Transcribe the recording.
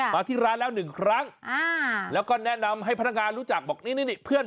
มาที่ร้านแล้วหนึ่งครั้งอ่าแล้วก็แนะนำให้พนักงานรู้จักบอกนี่นี่เพื่อน